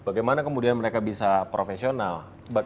bagaimana kemudian mereka bisa profesional